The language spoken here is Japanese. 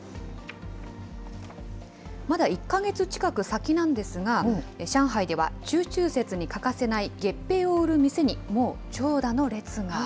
まだ１か月近く先なんですが、上海では、中秋節に欠かせない月餅を売る店に、もう長蛇の列が。